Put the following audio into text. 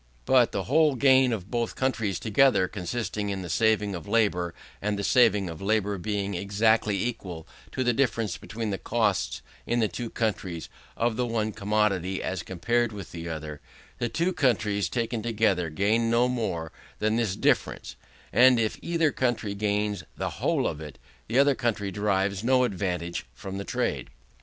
But, the whole gain of both countries together, consisting in the saving of labour; and the saving of labour being exactly equal to the difference between the costs, in the two countries, of the one commodity as compared with the other; the two countries taken together gain no more than this difference: and if either country gains the whole of it, the other country derives no advantage from the trade.